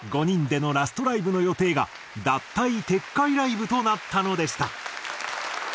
５人でのラストライブの予定が脱退撤回ライブとなったのでした。